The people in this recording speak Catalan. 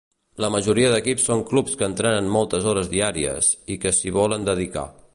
La majoria d'equips són clubs que entrenen moltes hores diàries, i que s'hi volen dedicar.